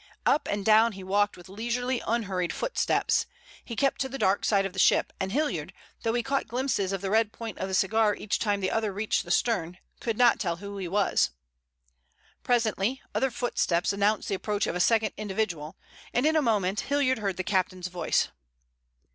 Up and down he walked with leisurely, unhurried footsteps. He kept to the dark side of the ship, and Hilliard, though he caught glimpses of the red point of the cigar each time the other reached the stern, could not tell who he was. Presently other footsteps announced the approach of a second individual, and in a moment Hilliard heard the captain's voice.